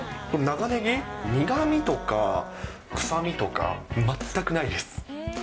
長ねぎ、苦みとか、臭みとか全くないです。